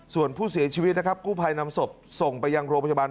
ส่วนผู้เสียชีวิตนะครับกู้ภัยนำศพส่งไปยังโรงพยาบาล